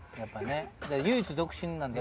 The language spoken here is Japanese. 唯一独身なんで。